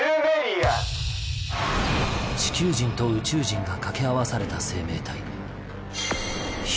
地球人と宇宙人が掛け合わされた生命体